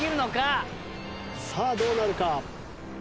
さあどうなるか？